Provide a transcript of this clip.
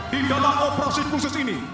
di dalam operasi khusus ini